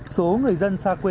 số người dân xa quê